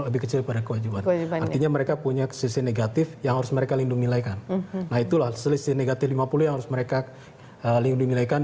berarti mereka harus menyediakan